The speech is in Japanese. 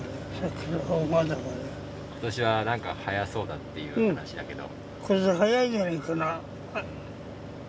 今年は何か早そうだっていう話だけど。